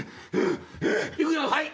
はい！